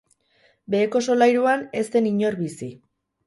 Beheko solairuan ez zen inor bizi.